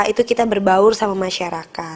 itu kita berbaur sama masyarakat